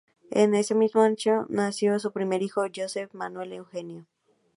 Ese mismo año nació su primer hijo, Josef Manuel Eugenio.